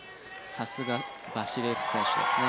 さすがバシリエフス選手ですね。